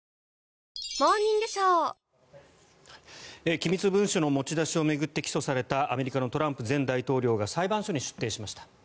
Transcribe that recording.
機密文書の持ち出しを巡って起訴されたアメリカのトランプ前大統領が裁判所に出廷しました。